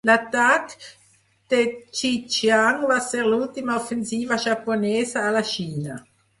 L'atac de Chihchiang va ser l'última ofensiva japonesa a la Xina.